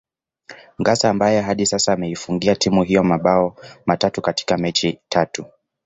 Ngassa ambaye hadi sasa ameifungia timu hiyo mambao matatu katika mechi tatu